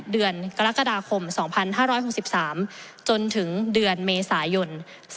เดือนกรกฎาคม๒๕๖๓จนถึงเดือนเมษายน๒๕๖